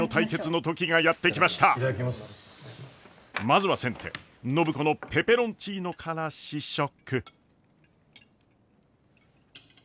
まずは先手暢子のペペロンチーノから試食。